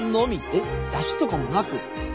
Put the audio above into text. えっ？だしとかもなく？